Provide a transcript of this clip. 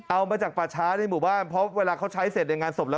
เอามาจากป่าช้าในหมู่บ้านเพราะเวลาเขาใช้เสร็จในงานศพแล้ว